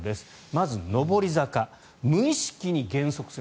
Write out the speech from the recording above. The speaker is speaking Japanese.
まず、上り坂無意識に減速する。